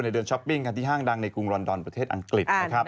ในเดือนช้อปปิ้งที่ห้างดังในกรุงรอนดอนประเทศอังกฤษ